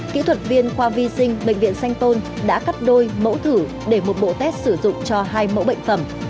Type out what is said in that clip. kỹ thuật viên khoa vi sinh bệnh viện sanh tôn đã cắt đôi mẫu thử để một bộ test sử dụng cho hai mẫu bệnh phẩm